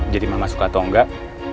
jadi mama suka atau enggak